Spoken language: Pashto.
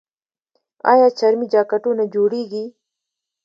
آیا چرمي جاکټونه جوړیږي؟